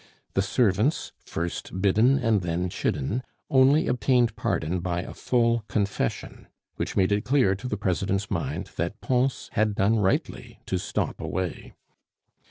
The servants, first bidden, and then chidden, only obtained pardon by a full confession, which made it clear to the President's mind that Pons had done rightly to stop away.